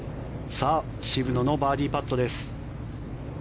渋野のバーディーパットです。